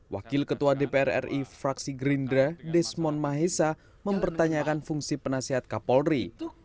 wakil ketua dpr ri fraksi gerindra desmond mahesa mempertanyakan fungsi penasihat kapolri